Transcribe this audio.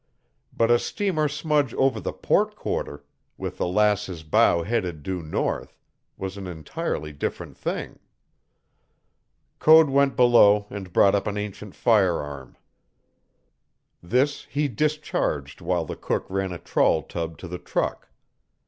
But a steamer smudge over the port quarter, with the Lass's bow headed due north, was an entirely different thing. Code went below and brought up an ancient firearm. This he discharged while the cook ran a trawl tub to the truck.